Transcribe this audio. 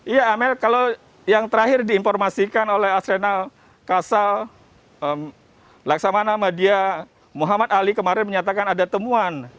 iya amel kalau yang terakhir diinformasikan oleh asrenal kasal laksamana media muhammad ali kemarin menyatakan ada temuan